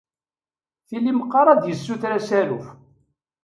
Tili meqqar ad d-yessuter asaruf.